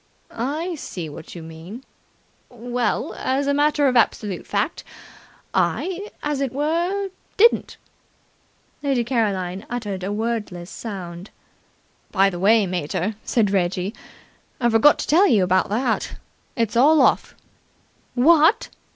"I see what you mean. Well, as a matter of absolute fact, I, as it were, didn't." Lady Caroline uttered a wordless sound. "By the way, mater," said Reggie, "I forgot to tell you about that. It's all off." "What!"